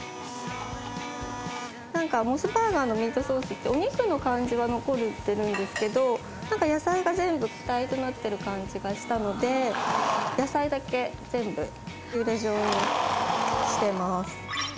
モスバーガーのミートソースってお肉の感じは残ってるんですけど野菜が全部一体となってる感じがしたので野菜だけ全部ピューレ状にしてます。